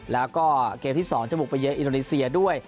แล้วก็เกมที่๒จะบุกไปเยอะอินโดนีเซียด้วย